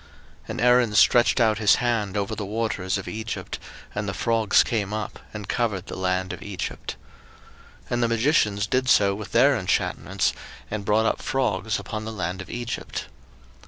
02:008:006 And Aaron stretched out his hand over the waters of Egypt; and the frogs came up, and covered the land of Egypt. 02:008:007 And the magicians did so with their enchantments, and brought up frogs upon the land of Egypt.